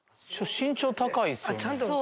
身長高いっすよね。